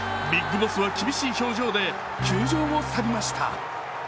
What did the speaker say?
ＢＩＧＢＯＳＳは厳しい表情で球場を去りました。